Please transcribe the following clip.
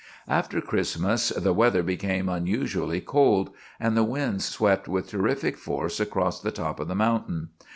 After Christmas the weather became unusually cold, and the winds swept with terrific force across the top of the mountain.